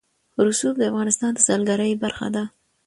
رسوب د افغانستان د سیلګرۍ برخه ده.